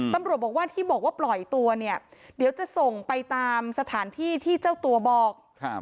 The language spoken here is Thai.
ตำรวจบอกว่าที่บอกว่าปล่อยตัวเนี่ยเดี๋ยวจะส่งไปตามสถานที่ที่เจ้าตัวบอก